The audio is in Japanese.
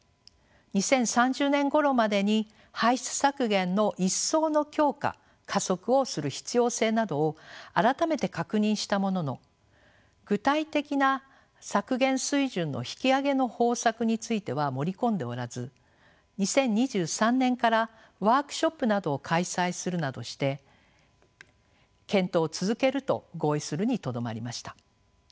２０３０年ごろまでに排出削減の一層の強化加速をする必要性などを改めて確認したものの具体的な削減水準の引き上げの方策については盛り込んでおらず２０２３年からワークショップなどを開催するなどして検討を続けると合意するにとどまりました。